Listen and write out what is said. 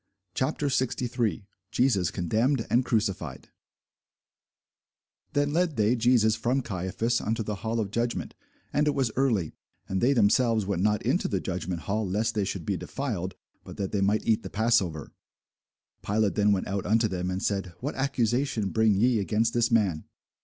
CHAPTER 63 JESUS CONDEMNED AND CRUCIFIED [Sidenote: St. John 18] THEN led they Jesus from Caiaphas unto the hall of judgment: and it was early; and they themselves went not into the judgment hall, lest they should be defiled; but that they might eat the passover. Pilate then went out unto them, and said, What accusation bring ye against this man?